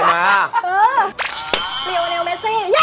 เร็วไหมสิ